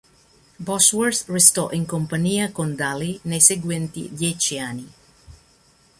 Bosworth restò in compagnia con Daly nei seguenti dieci anni.